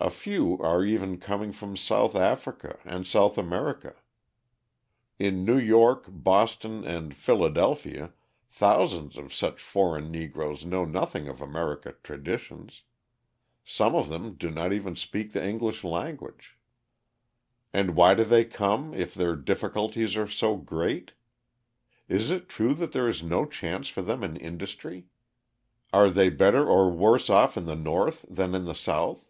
A few are even coming from South Africa and South America. In New York, Boston, and Philadelphia, thousands of such foreign Negroes know nothing of America traditions; some of them do not even speak the English language. And why do they come if their difficulties are so great? Is it true that there is no chance for them in industry? Are they better or worse off in the North than in the South?